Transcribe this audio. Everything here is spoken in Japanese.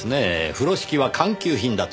風呂敷は官給品だとか。